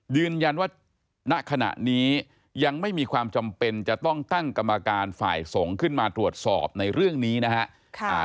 ณขณะนี้ยังไม่มีความจำเป็นจะต้องตั้งกรรมการฝ่ายสงฆ์ขึ้นมาตรวจสอบในเรื่องนี้นะครับ